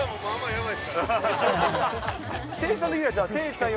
やばい。